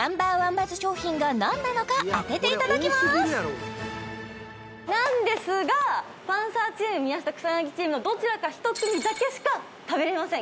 バズ商品が何なのか当てていただきますなんですがパンサーチーム宮下草薙チームのどちらか１組だけしか食べれません